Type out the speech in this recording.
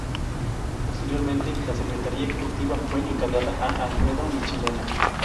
Posteriormente la Secretaría Ejecutiva fue encargada a Alfredo Michelena.